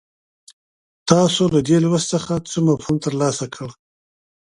تاسو له دې لوست څخه څه مفهوم ترلاسه کړ.